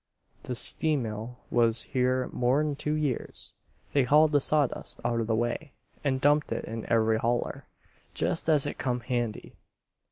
The stea'mill was here more'n two years. They hauled the sawdust out of the way and dumped it in ev'ry holler, jest as it come handy."